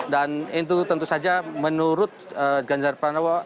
dan itu tentu saja menurut genjar pranowo